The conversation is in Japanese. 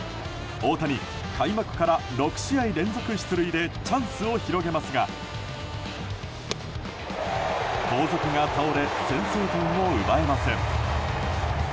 大谷、開幕から６試合連続出塁でチャンスを広げますが後続が倒れ先制点を奪えません。